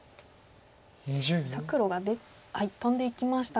さあ黒がトンでいきましたが。